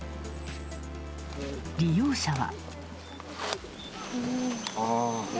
利用者は。